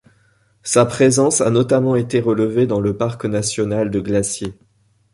Sa présence a notamment été relevée dans le Parc national de Glacier.